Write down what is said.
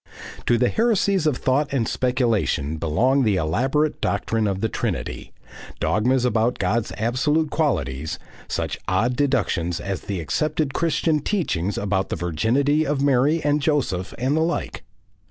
To the heresies of thought and speculation belong the elaborate doctrine of the Trinity, dogmas about God's absolute qualities, such odd deductions as the accepted Christian teachings about the virginity of Mary and Joseph, and the like.